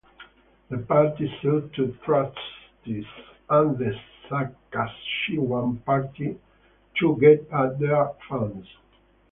The party sued the trustees and the Saskatchewan Party to get at their funds.